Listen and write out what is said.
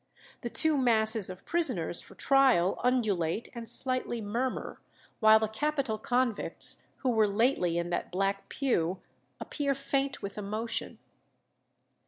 The two masses of prisoners for trial undulate and slightly murmur, while the capital convicts who were lately in that black pew appear faint with emotion.